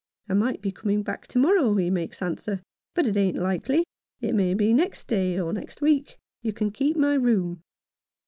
' I might be coming back to morrow,' he makes answer, 'but it ain't likely. It may be next day — or next week. You can keep my room.'